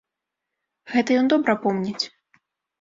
Гэта ён добра помніць.